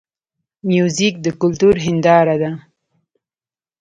موزیک د کلتور هنداره ده.